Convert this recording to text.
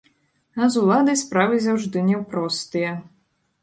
А з уладай справы заўжды няпростыя.